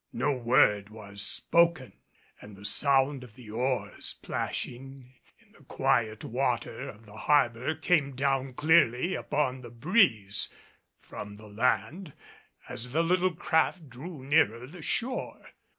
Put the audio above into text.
No word was spoken and the sound of the oars plashing in the quiet water of the harbor came down clearly upon the breeze from the land as the little craft drew nearer the shore.